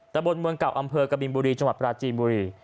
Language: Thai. ตะบนเมืองเก่าอำเภอกบินบุรีจังหวัดปราจีนบุรี